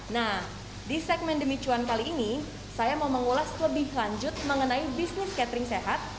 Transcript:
nah di segmen demi cuan kali ini saya mau mengulas lebih lanjut mengenai bisnis catering sehat